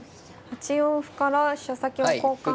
８四歩から飛車先を交換して。